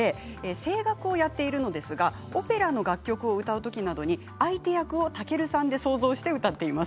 声楽をやっているんですがオペラの楽曲を歌うときに相手役を健さんで想像して歌っています。